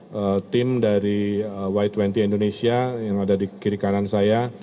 ada tim dari y dua puluh indonesia yang ada di kiri kanan saya